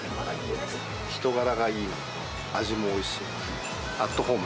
人柄がいい、味もおいしいし。